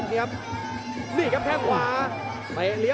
โอ้โหไม่พลาดกับธนาคมโด้แดงเขาสร้างแบบนี้